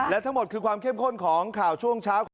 และทั้งหมดคือความเข้มข้นของข่าวช่วงเช้าของ